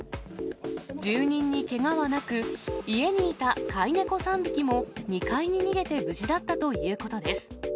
住人にけがはなく、家にいた飼い猫３匹も２階に逃げて無事だったということです。